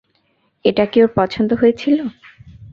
এটা কি ওর পছন্দ হয়েছিল?